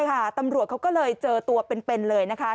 ใช่ค่ะตำรวจเขาก็เลยเจอตัวเป็นเลยนะคะ